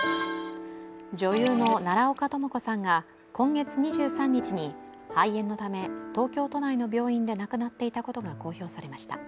女優の奈良岡朋子さんが今月２３日に、肺炎のため東京都内の病院で亡くなっていたことが公表されました。